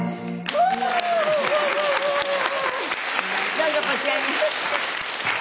「どうぞこちらに」